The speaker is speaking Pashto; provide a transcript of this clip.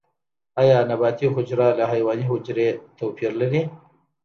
ایا نباتي حجره له حیواني حجرې توپیر لري؟